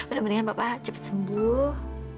udah mendingan papa cepet sembuh